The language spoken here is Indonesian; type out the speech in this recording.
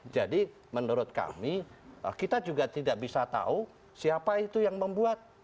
jadi menurut kami kita juga tidak bisa tahu siapa itu yang membuat